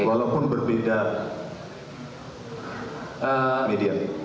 walaupun berbeda media